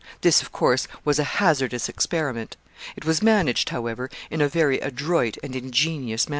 This, of course, was a hazardous experiment. It was managed, however, in a very adroit and ingenious manner.